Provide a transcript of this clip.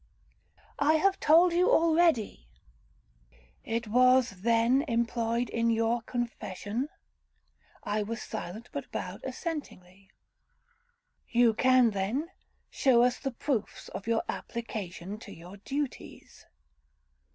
'I have told you already.' 'It was, then, employed in your confession?'—I was silent, but bowed assentingly.—'You can, then, shew us the proofs of your application to your duties.